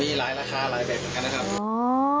มีหลายราคาหลายแบบเหมือนกันนะครับ